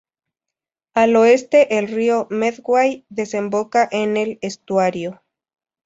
Al oeste el río Medway desemboca en el estuario.